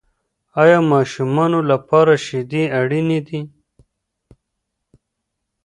آیا ماشومانو لپاره شیدې اړینې دي؟